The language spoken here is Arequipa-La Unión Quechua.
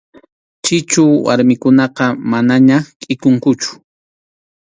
Chichu warmikunaqa manaña kʼikunkuchu.